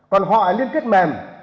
còn họ là liên kết mềm